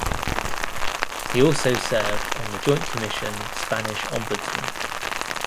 He also served on the joint commission Spanish Ombudsman.